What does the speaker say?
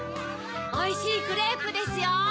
おいしいクレープですよ。